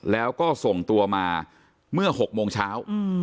แล้วก็ส่งตัวมาเมื่อ๖โมงเช้า